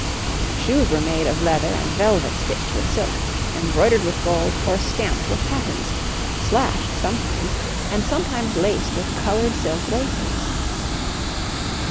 The shoes were made of leather and velvet stitched with silk, embroidered with gold, or stamped with patterns, slashed sometimes, and sometimes laced with coloured silk laces.